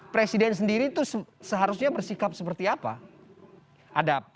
presiden sendiri itu seharusnya bersikap seperti apa